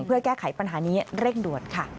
เพื่อแก้ไขปัญหานี้เร่งด่วนค่ะ